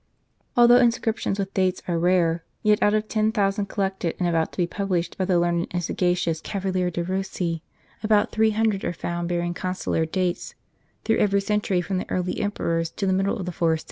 Although inscriptions with dates are rare, yet out of ten thousand collected, and about to be published, by the learned and sagacious Cavalier De Eossi, about three hundred are found bearing consular dates, through every period, from the early emperors to the middle of the fourth * Locus, loculus.